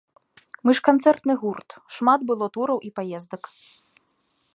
Мы ж канцэртны гурт, шмат было тураў і паездак.